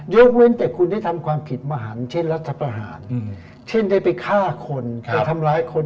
เว้นแต่คุณได้ทำความผิดมหันเช่นรัฐประหารเช่นได้ไปฆ่าคนไปทำร้ายคน